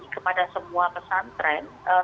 kepada semua pesantren